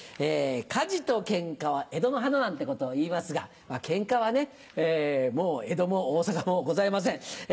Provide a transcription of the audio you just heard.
「火事とケンカは江戸の華」なんてことをいいますがケンカはねもう江戸も大阪もございません。